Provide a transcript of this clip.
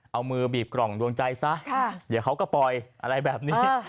เอามือบีบกล่องดวงใจซะเดี๋ยวเขาก็ปล่อยอะไรแบบนี้